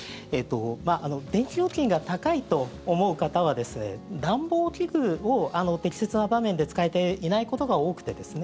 電気料金が高いと思う方は暖房器具を適切な場面で使えていないことが多くてですね。